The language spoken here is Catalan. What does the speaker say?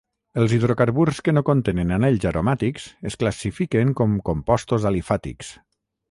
Els hidrocarburs que no contenen anells aromàtics es classifiquen com compostos alifàtics.